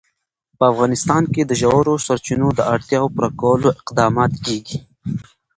په افغانستان کې د ژورو سرچینو د اړتیاوو پوره کولو اقدامات کېږي.